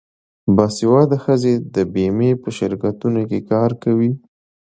باسواده ښځې د بیمې په شرکتونو کې کار کوي.